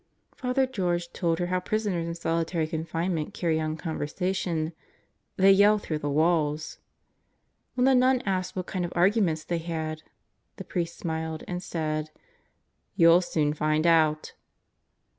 Father George told her how prisoners in solitary confinement carry on conversation: they yell through the walls. When the nun asked what kind of arguments they had, the priest smiled and said: " You'll soon find out."